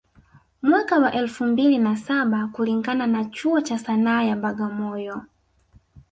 Mwaka wa elfu mbili na saba kulingana na chuo cha Sanaa ya Bagamoyo